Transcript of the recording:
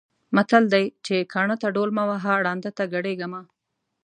متل دی چې: کاڼۀ ته ډول مه وهه، ړانده ته ګډېږه مه.